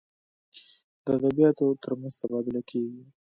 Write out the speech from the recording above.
د ادبیاتو تر منځ تبادله کیږي.